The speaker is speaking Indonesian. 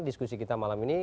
diskusi kita malam ini